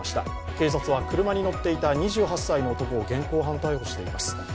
警察は車に乗っていた２８歳の男を現行犯逮捕しています。